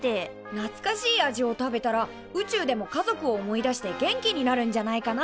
なつかしい味を食べたら宇宙でも家族を思い出して元気になるんじゃないかな。